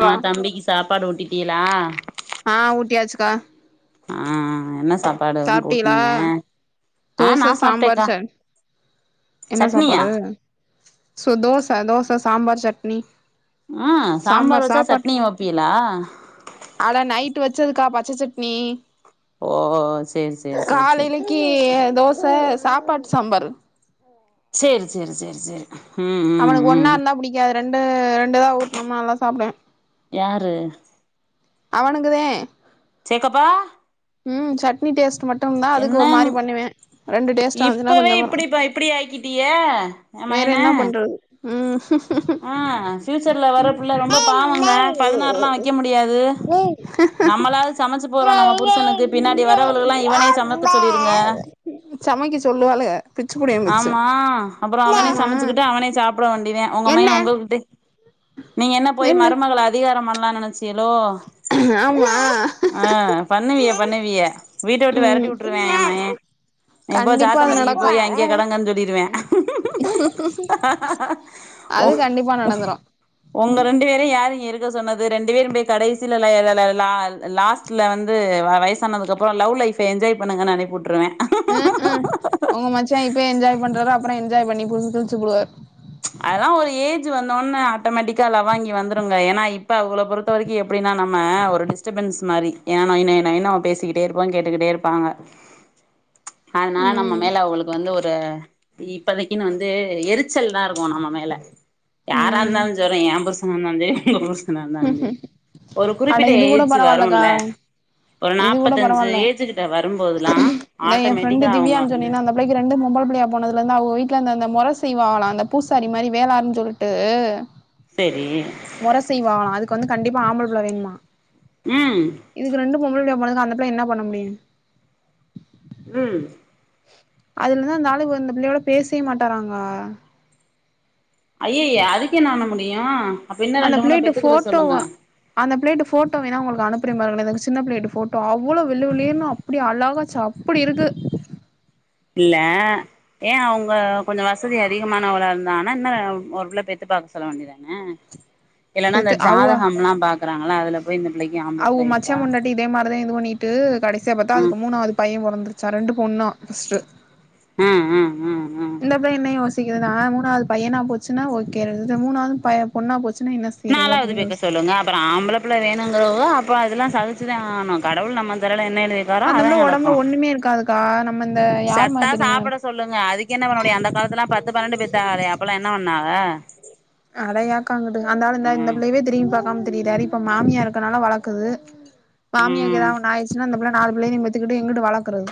நா தம்பிக்கு சாப்பாடு ஊட்டிடிகளா ஆ ஊட்டியாச்சுக்கா ஆ ஆ என்ன சாப்பாடு அவனுக்கு சாப்ட்டீகளா ஊட்னீக தோச சாம்பார் சன் என்ன சட்னியா சாப்பாடு சோ தோச தோச சாம்பார் சட்னி ஆ சாம்பார் வச்சா சட்னியு வெப்பீகளா அட நைட்டு வெச்சதுக்கா பச்ச சட்னி ஓ சேர் சேர் சேர் சே லி தோச சாப்பாட் சாம்பாரு சேரி சேரி சேரி சேரி ம் ம் அவனுக்கு ம் ஒன்னா இருந்தா புடிக்காது ரெண்டு ரெண்டு தா ஊட்ணுமா நல்லா சாப்டுவே யாரு அவனுங்கதே செக்கப்பா ம் சட்னி டேஸ்ட் மட்டும்தா அதுக்கு ஒரு என்னங் மாரி பண்ணுவே ரெண்டு டேஸ்ட்டா இருந்துச்சுன்னா இப்பவே கொஞ்சமா இப்டிப்பா இப்டி ஆக்கீட்டிக எ மகன ம் ஆ ஃபியூச்சர்ல வர புள்ள ரொம்ப பாவங்க பதினார்லா வெக்க முடியாது [inaudible] நம்மளாது சமைச்சு போறோ நம்ம புருஷனுக்கு பின்னாடி வரவளுகெல்லா இவனே சமைக்க சொல்லிருங்க சமைக்க சொல்லுவாளுக பிச்சு புடிய மிச்சு ஆமா அப்றோ அவனே ஆமா சமைச்சுக்கிட்டு அவனே சாப்பிட வேண்டிதே உங்க என்ன மையே உங்கள்கிட்டே நீங்க என்ன போய் மருமகள அதிகாரம் பண்ணலான் நெனச்சீகலோ ஆமா ஆ பண்ணுவிய பண்ணுவிய வீட்ட உட்டு வெரட்டி ம் உட்டுருவே ஏ மகே நீ போ கண்டிப்பா அது சாத்தமதிக்கி நடக்கு போய் அங்கேயே கடங்கன் சொல்லிருவே ஒ அது கண்டிப்பா ம் நடந்துரு உங்க ரெண்டு பேரையு யாரு இங்க இருக்க சொன்னது ரெண்டு பேரு போய் கடைசில லெ லெ லா லாஸ்ட்டல வந்து வ வயசானதுக்கு அப்றோ லவ் லைஃப்ப என்ஜாய் பண்ணுங்கன் அனிப்புட்ருவே அ அ உங்க மச்சா இப்பயே என்ஜாய் பண்றாரோ அப்றோ என்ஜாய் பண்ணி [unintelligible] கிழிச்சு புடுவார் அதெல்லா ஒரு ஏஜு வந்தோட்னே ஆட்டோமேட்டிக்கா லவ்வாங்கி வந்துருங்க ஏனா இப்ப அவுகள பொறு த்த வரைக்கு எப்டின்னா நம்ம ஒரு டிஸ்டர்பன்ஸ் மாரி ஏனா நொய் நொய் நொய்னு அவ பேசிக்கிட்டே இருப்பா கேட்டுக்கிட்டே இருப்பா அதனால நம்ம ம் மேல அவுகளுக்கு வந்து ஒரு இப்பதைக்குன்னு வந்து எரிச்சல் தா இருக் கு நம்ம மேல யார ம் இருந்தாலு சொல்றே எ புருஷனா இருந்தாலு செரி உங்க புரு ஷனா இருந்தாலு செரி ஒரு அட குறிப்பிட்ட இது கூட ஏஜ்ஜு பரவால்லக்கா வருல்ல ஒரு இது கூட நாப்பத்தஞ்சு பரவால்ல ஏஜ்ஜு கிட்ட வரும்போதுல்லா ஆட்டோமேட்டிக்கா அவுங்க வந்து புள்ளைக்கு ரெண்டு பொம்பள புள்ளையா போனதுலருந்து அவுக வீட்ல இந்தந்த மொற செய்வாலா அந்த பூசாரி மாரி வேளார்ன் சொல்லிட்டு செரி மொற செய்வாலா அதுக்கு வந்து கண்டிப்பா ஆம்பள புள்ள வேணுமா ம் இதுக்கு ரெண்டு பொம்பள புள்ளையா பொறந்த அந்த புள்ள என்னா பண்ண முடியு ம் அதுல இருந்து அந்த ஆளு இந்த பிள்ளையோட பேசே மாட்டாராங்கா ஐயைய அதுக்கே என்னா பண்ண முடியு அப்டின்னா அந்த ரெண்டு மூணு பிள்ளைட்ட பெத்துக்கற ஃபோட்டோவ சொல்லுங்க அந்த பிளேட்ட போட்டோ வேணா உங்களுக் அனுப்பறே பாருங் இந்த சின்ன பிள்ளேட்ட போட்டோ அவ்ளோ வெள்ள வெள்ளேன்னு வெளிலலேன்னும் அப்டி அழகா ச்சு அப்டி இருக்கு இல்ல ஏன் அவங்க கொஞ்சோ வசதி அதிகமானவளா இருந்தாங்னா இன்னு ஒரு புள்ள பெத்து பாக்க சொல்ல வேண்டியதான எத்து அவ்வ பாக்குறாங்களா அதுல போய் இந்த பிள்ளைக்கு ஆம்பள அவு பிள்ள இருக்கா மச்சான் பொண்டாட்டி இதே மாரிதா இது பண் ட்டு கடைசியா பாத்தா ம் அதுக்கு மூணாவது பையன் பொறந்துருச்சா ரெண்டு பொண்ணா ஃபர்ஸ்ட்டு ம் ம் ம் ம் இந்த பையன் என்ன யோசிக்குதுனா மூணாவது பையனா போச்சுன்னா ஓகே மூணாவது ப பொண்ணா போச்சுன்னா என் நாலாவது பெக்க சொல்லுங்க அப்பறோ ஆம்பள புள்ள வேணுங்கிறவோ அப்போ அதெல்லா சலிச்சுதா ஆனு கடவுள் நம்ம தரல என்ன எழுதி இருக்காரோ அந்த அதா புள்ள உடம்புல நடக்கு ஒண்ணுமே இருக்காதுக்கா நம் சத்தா சாப்பட சொல்லுங்க அதுக்கு என்ன பண்ண முடியு அந்த காலத்துலலா பத்து பன்னெண்டு பெத்தாதே அப்பல்லா என்ன பண்ணாவ அட ஏங்கா அங்குட்டு அந்த ஆளு இந்த இந்த ம் பிள்ளையவே திரும்பி பாக்காம திறிராரு இப்ப மாமியா இருக்கனால வளர்க்குது மாமியாக்கு ஏதா ம் ஒன்னு ஆயிச் இன்னு அந்த புள்ள நாலு புள்ளையு பெத்துக்கட்டு எங்கிட்டு வளர்க்கறது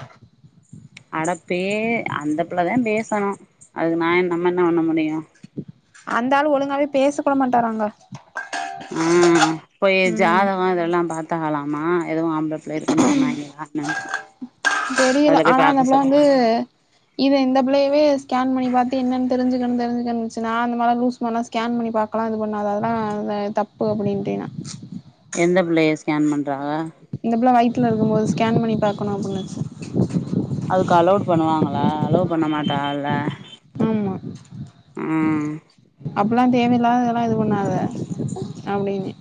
அட பே அந்த பிள்ளதா பேசணு அதுக்கு நா நம்ம என்ன பண்ண முடியு அந்த ஆளு ஒழுங்காவே பேச கூட மாட்டாராங்கா ம் போய் ம் ஜாதகம் இதெல்லா பார்த்தகலாமா இதுவு ஆம்ப இருக்குன்னு சொன்னாங்களா என்னன் தெரியல அதுல போய் ஆனா அந்த பார்க்க புள்ள வந்து சொல்லுங்க இது இந்த பிள்ளையவே ஸ்கேன் பண்ணி பாத்து என்னன் தெரிஞ்சுகனு தெரிஞ்சுகனுச்சு நா அந்த மார்ல லூஸ் போனா ஸ்கேன் பண்ணி பாக்லா இது பண்ணாத அதல தப்பு அப்டின்டே நா எந்த பிள்ளைய ஸ்கேன் பண்றாங்க இந்த பிள்ள வைத்துல இருக்கும்போது ஸ்கேன் பண்ணி பாக்கணு அப்டின்னுச்சு அதுக்கு அலோட் பண்ணுவாங்களா அலோட் பண்ண மாட்டால ஆமா ம் அப்பல்லா தேவையில்லாத இதல்லா எது பண்ணாத அப்டின்ன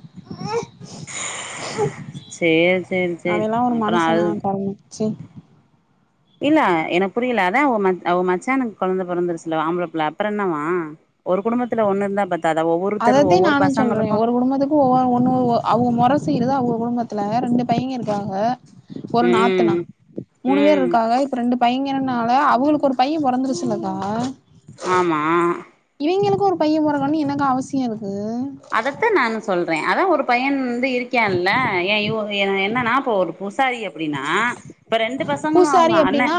சேரி சேரி சேரி அவைலான் ஒரு அப்புறோ அது மனுஷனா கருமோ ச்சே இல்ல எனக்கு புரில அதா அவ ம அவ மச்சானுக் கொழந்த பொறந்துருச்ல ஆம்பள புள்ள அப்புற என்னவா ஒரு குடும்பத்துல ஒண்ணு இருந்தா பத் தாத ஒவ்வொரு அதத்தே நானு சொல்ற பசங்களுக்கு ஒரு குடும்பத்துக் ஒண்ணு அவங்க மொற செய்றது அவுங்க குடும்பத்துல ரெண்டு பையங்க இருக்காங்க ஒரு நாத்தனா ம் மூணு பேர் ம் இருக்காக ரெண்டு பையங்கன்னால அவுகளுக்கு ஒரு பையன் பொறந்துருச்சுல்லக்கா ஆமா இவய்ங்களுக்கு ஒரு பைய பொறந்தான் என்னக்கா அவசிய இருக்கு அதத்தா நானு சொல்றே அதா ஒரு பையன் வந்து இருக்கான்ல எ இது எ என்னன்னா இப்போ ஒரு பூசாரிய அப்படீனா இப்ப ரெண்டு பசங்களு அவுங்க அண்ண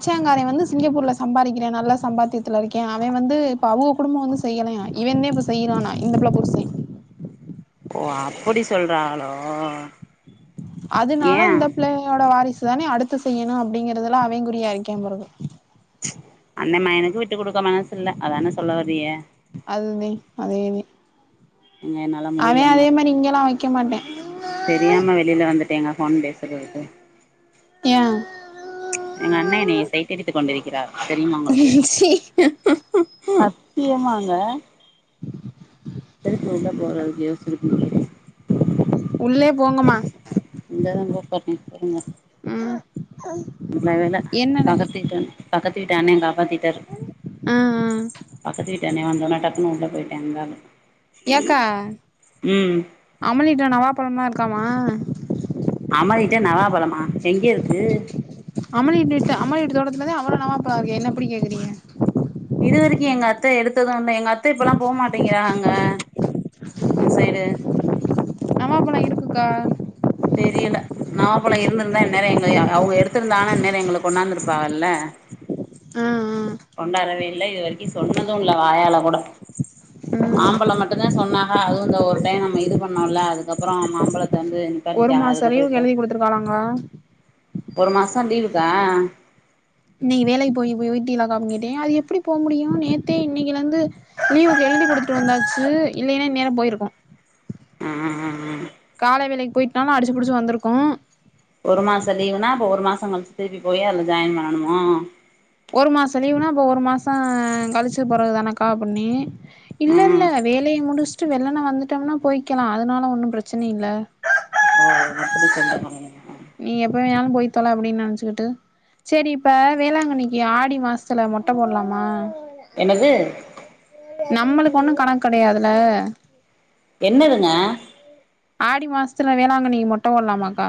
ச்சங்கார வந்து சிங்கப்பூர்ல சம்பாதிக்கிறே நல்லா சம்பாத்தியத்துல இருக்கே அவ வந்து இப்ப அவுக குடும்போ வந்து செய்யலயா இவந்தே இப்போ செய்யுறான்னா இந்த பிள்ள புருசே ஓ அப்படி சொல்றாகளோ ஏ அதனால இந்த பிள்ளையோட வாரிசு தானே அடுத்து செய்யணு அப்டிங்கிறதுல அவ குரியாயிருக்காம்பெறவு அண்ண மகனுக்கு விட்டு குடுக்க மனசுல்ல அதானே சொல்ல வரிய அதுதே அதேத ஏங்க என்னால அவ முடியலங்க அதே மாரி இங்கெல்லா வெக்க மாட்டே தெரியாம வெளியில வந்துட்டேங்க ஃபோன் பேசுறதுக்கு ஏன் எங்க அண்ண என்னைய சைட்டடித்து கொண்டிருக்கிறார் தெரியுமா உங்களுக்கு சி சத்தியமாங்க திருப்பி உள்ள போறதுக்கு யோஸ்ச்சுக்கிட்டிருக்க உள்ளே போங்கம்மா இங்கதா இந்தாரு பாத்தே [unintelligible] ம் நல்ல வேல என்னட பக்கத்வீட் அண் பக்கத்து வீட்டு அண்ணேங்கா பாத்திட்டாரு ஆ ஆ பக்கத்து வீட்டு அண்ணே வந்தோனா டக்குனு உள்ள போய்ட்டேங்க அவ ஏக்கா அமலிட்ட நவாப்பழம்லா இருக்காமா அமலிட்ட நவாப்பழமா எங்க இருக்கு அமலி வீட்டிட்ட அமலி வீட்டு தோட்டத்துலதா அவள நவாப்பழோ இருக்கே என்ன இப்படி கேக்குறீங்க இது வெரிக்கு எங்க அத்த எடுத்தது இல்ல எங்க அத்த இப்பெல்லால் போமாட்டேங்கிறாங்க அங்க அந் சைடு நவாப்பழ இருக்கு க்கா தெரியல நவாப்பழோ இருந்திருந்தா இந்நேர எங்க எ அ அவுங்க எடுத்திருந்தாங்க இந்நேர எங்களுக்கு கொண்டாந்திருப்பாகல்ல ஆ ஆ கொண்டாரவே இல்ல இது வெரிக்கு சொன்னது இல்ல வாயால கூட ம் மாம்பழோ மட்டுந்தா சொன்னாக அதுவு இந்த ஒரு டைம் நம்ம இது பண்ணோல அதுக்கப்புறோ மாம்பழத்த வந்து ஒரு நிப்பாட்டிட்டாக அதுக்கப்புற மாசரையு கெழவி இப்ப குடுத்துருக்காளாங்க ஒரு மாசோ லீவுக்கா இன்னைக்கி வேலைக்கு போயி போய் வீட்டியலாக்கா அப் கேட்டே அது எப்படி போக முடியு நேத்தே இன்னைக்கிலந்து லீவுக்கு எழுதி குடுத்துட்டு வந்தாச்சு இல்லைன்னா இந்நேர போய்ருக்கோ ஆ ஆ ஆ ஆ கால வேலைக் போய்ட்டுனாலு அடிச்சு புடிச்சு வந்துருக்கு ஒரு மாச லீவுனா அப்ப ஒரு மாசங் கழிச்சு திருப்பி போயி அத்ல ஜாய்ன் பண்ணனுமா ஒரு மாச லீவுனா அப்போ ஒரு மாச கழிச்சு போறதுதானக்கா அப்பின்னே இல்ல இல்ல ம் வேலைய முடிஷ்ட்டு வெள்ளன்ன வந்துட்டோம்னா போய்க்கலா அதனால ஒன்னும் ப்ரெச்சன இல்ல ஓ ஓ அப்படி சொல்றா [unintelligible] நீ எப்ப வேணாலு போய் தொல அப்படீன் நென்ச்சுக்கிட்டு செரி இப்ப வேளாங்கண்ணி கி ஆடி மாசத்தில மொட்ட போட்லாமா என்னது நம்மளுக்கு ஒண்ணு கணக் கடையாதுல என்னதுங்க ஆடி மாசத்துல வேளாங்கண்ணிக்கி மொட்ட போட்லாமாக்கா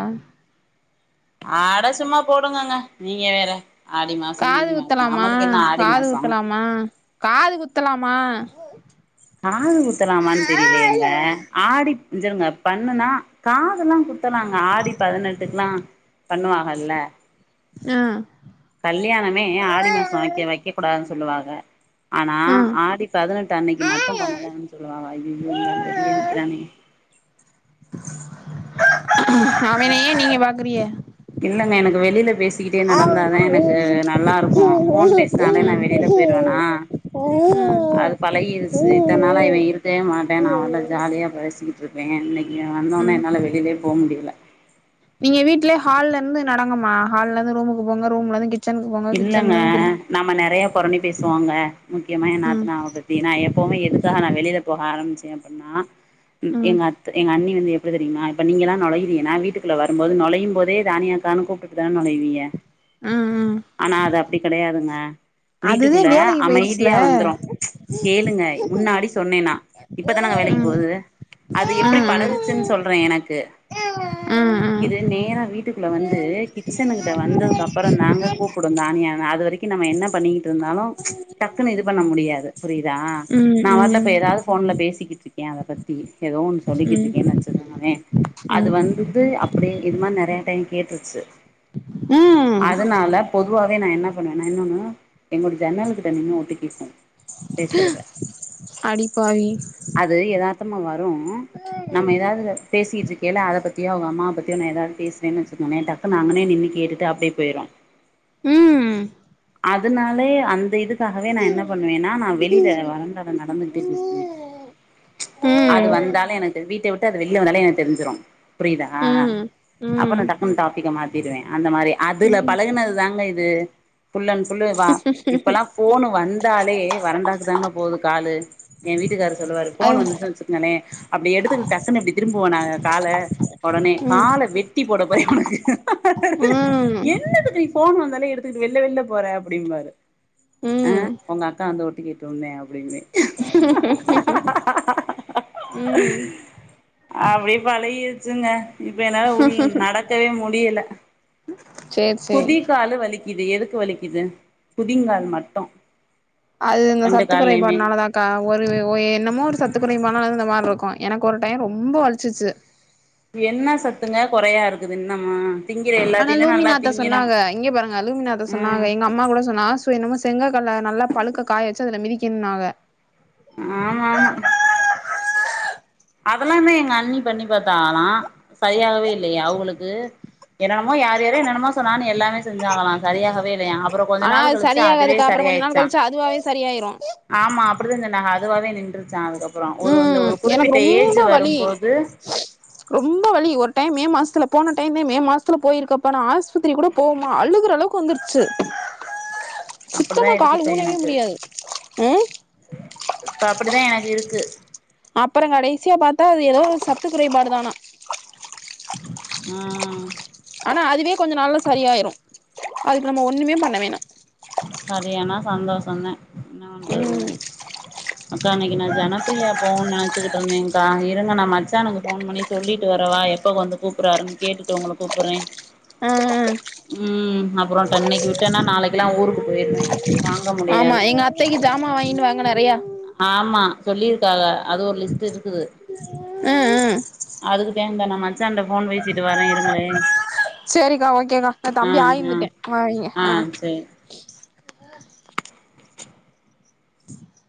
அட சும்மா போடுங்கங்க நீங்க வேற ஆடி மாச காது கீடி மாச குத்தலாமா நம்மளுக்கு என்ன ஆடி காது மாச குத்தலாமா காது குத்தலாமா காது குத்தலாமான் தெரிலயேங்க ஆடி இஞ்சிருங்க பண்ணுனா காதுலா குத்தலாங்க ஆடி பதினெட்டுக்லா பண்ணுவாகல்ல ஆ கல்யாணமே ஆடி மாச ஆ வைக்க வைக்க கூடாதுன் சொல்லுவாக ஆனா ம் ஆடி பதினெட்டு அன்னைக்கு மட்டு பண்ணலானு சொல்லுவாவ ஐயயோ இந்த ஆள் வெளில நிக்கிறானே அவன ஏ நீங்க பாக்குறீக இல்லங்க எனக்கு வெளில பேசிக்கிட்டே நடந்தாதே எனக்கு நல்லாருக்கு ம் ஃபோன் பேசி னால நா வெளில போயிருவனா ஆஹ அது பழகிருச்சு இத்தனாலா இவ இருக்கவே மாட்டா நா வள ஜாலியா பேசிக்கிட்ருப்பே இன்னைக்கி இவ வந்தோனே ம் என்னால வெளிலயே போ முடில நீங்க வீட்லயே ஹால்லருந்து நடங்கமா ஹால்லருந்து ரூமுக்கு போங்க ரூம்ல இருந்து கிச் இல்லங்க நம்ம நெறய புறணி பேசுவோங்க முக்கியமா எ ம் நாத்தனாவ பத்தி ஏனா எப்பவுமே எதுக்காக நா வெளில போக ஆரம்பிச்சே அப்பின்னா ம் எங்க அத் எங்க அண்ணி வந்து எப்டி தெ நா இப்ப நீங்கலா நொழைறீங்கனா வீட்டுகுள்ள வரும்போது நுழையு போதே ராணி அக்கானு கூப்ட்டுட்டு தான நொழைவீக ஆ ஹ ஆனா அது அப்டி கெடையாதுங்க அதுதே வீட்டுக்குள்ள வேலைக்கு போயிருச்சுல அமைதியா வந்ரு கேளுங்க முன்னாடி சொன்னே நா இப்பதான வேலைக்கு ம் போது அது எப்டி ம் பழகுச்சுன் சொல்றே எனக்கு ம் இது நேரா வீட்டுக்குள்ள வந்து ம் கிச்சனு கிட்ட வந்ததுக்கு அப்பறந்தாங்க ம் கூப் புடுங்கானியா அது வரைக்கு நம்ம என்ன பண்ணிக்கிட்ருந்தாலு டக்குன்னு இது பண்ண முடியாது புரியுதா ம் நா வர்ல ம் போய் எதாவது போன்ல பேசிக்கிட்ருக்கே அத பத்தி ஏதோ ஒன்னு ம் சொல்லிக்கிட்ருக்கேன் வச்சுக்கங்களே அது ம் வந்து இது அப்டியே இது மாரி நெறய டைம் கேட்ருச்சு ம் அதனால பொதுவாவே நா என்ன பண்ணுவேனா இன்னொன்னு என்னோட ஜன்னல்கிட்ட நின்னு ஒட்டு கேக்கு பேசறத அடிப்பாவி அது யதார்த்தமா வரு உஹம் நம்ம எதாவது பேசிட்ருக்கைல அத பத்தியோ அவங்கம்மா பத்தியோ நா எதாவது பேசுனேன் வச்சுக்கோமே டக்குனு அங்குனயே நின்னு கேட்டு ட்டு அப்டியே போய்ரு ம் அதுனாலயே அந்த இதுக் அதுக்காகவே நா என்ன ம் பண்ணுவேன்னா நா வெளில வரண்டால நடந்துகிட்டே பேசுவே அது ம் வந்தாலு எனக்கு வீட்ட விட்டு அது வெளிய வந்தாலே எனக்கு தெரிஞ்சிரு புரியுதா ம் ம் அப்ப நா டக்குன்னு டாப்பிக்க மாத்திடுவே அந்த மாரி அதுல பழகுனது தா மை து ஃபுல் அண்ட் ஃபுல்லு வா இப்பல்லா ஃபோனு வந்தாலே வரண்டாக்கு தாங்க போகுது காலு என் வீட்டுக்காரு சொல்லுவாரு ஃபோன் அது வந்து வச்சுக்கங்களே அப்டி எடுத்துக்கிட்டு டக்குன்னு இப்டி திரும்புவோ நாங்க கால உடனே ம் கால வெட்டி போட போறே உனக்கு ம் என்னத்துக்கு போன் வந்தாலே எடுத்துக்கிட்டு வெள்ல வெள்ல போற அப்படிம்பாரு ஆ ம் உங்க அக்கா வந்து ஒட்டு கேட் சொன்னே அப்டிம்பே ம் அப்டி பழகிருச்சுங்க இப்ப என்னால உள் நடக்கவே முடியல சேரி சேரி குதிகாலு வலிக்குது எதுக்கு வலிக்குது குதிங்கால் மட்டு அது இந்த ரெண்டு சத்துக் கால்லயுமே குறைபாட்னாலதா கா ஒரு ஒ என்னமோ ஒரு சத்துக் குறைபாட்னாலதா இந்த மாரி இருக்கு எனக்கு ஒரு டைம் ரொம்ப வலிச்சுச்சு என்ன சத்துங்க கொறையா இருக்குது இன்னமு ஆனா லூமிநாத்த சொன்னாங்க இங்க பாருங்க லூமிநாத்த சொன்னாங்க ம் எங்க அம்மா கூட சொன்னாக அப்ற என்னமோ செங்க கல்ல நல்லா பழுக்க காய வச்சு அதுல மிதிக்கணுன்னாக ஆமா ஆமா அதல்லாமே எங்க அண்ணி பண்ணி பாத்தாகளா சரியாகவே இல்லையே அவுங்களுக்கு என்னன்னமோ யார் யாரோ என்னன்னமோ சொன்னாங்கனு எல்லாமே செஞ்சாங்களா சரியாகவே இல்லையா அப்புற கொஞ்ச ஆனா நாள் அது கழிச்சு அதுவே சரியாகாதுக்கா அப்புறம் கொஞ்ச நாள் சரியாயிச்சா கழிச்சு அதுவாவே சரியாயிரும் ஆமா அப்டிதா சொன்னாக அதுவாவே நின்றுச்சா அதுக்கப்ற ஒரு இந்த ம் ஒரு எனக்கு குறிப்பிட்ட ஏஜ் ரொம்ப வலி வரும்போது ரொம்ப வலி ஒரு டைம் மே மாசத்துல போன டைமே மே மாசத்துல போயிருக்கப்ப நா ஆஸ்பத்திரி கூட போவ்மா அழுகுற அளவுக்கு வந்துருச்சு அப்படிதா சுத்தமா கால் இருக்குப்ப ஊனவே எனக்கு முடியாது ஆ இப்ப அப்டிதா எனக்கிருக்கு அப்பற கடைசியா பாத்தா அது ஏதோ ஒரு சத்துக் குறைபாடு தானா ஆ ஆனா அதுவே கொஞ்ச நாள்ல சரியாயிரு அதுக்கு நம்ம ஒண்ணுமே பண்ண வேணா சரியான சந்தோஷந்தே என்ன பண்றது ம் அக்கா இன்னைக்கி நா ஜனப்ரியா போவோன்னு நெனைச்சிக்கிட்ருந்தேக்கா இருங்க நா மச்சானுக்கு ஃபோன் பண்ணி சொல்லிட்டு வரவா எப்ப வந்து கூப்புர்றாருன்னு கேட்டுட்டு உங்கள கூப்புர்றே ஆ ம் அப்புற ட இன்னைக்கு விட்டேன்னா நாளைக்குலா ஊருக்கு போயிருவே வாங்க ஆமா முடியாது எங்க அத்தைக்கு ஜாமா வாங்கிட்டு வாங்க நெறையா ஆமா சொல்லிருக்காக அது ஒரு லிஸ்ட்டு இருக்குது ம் ம் அதுக்குத்தே இந்தா நா மச்சான்ட ஃபோன் பேசிட்டு வரே இருங்களே சேரிக்கா ஓகேக்கா நா தம்பி ஆயிந்துட்டே ஆ வைங்க ஆ